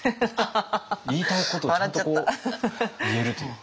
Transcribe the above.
言いたいことちゃんと言えるというか。